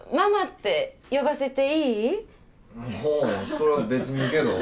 それは別にいいけど。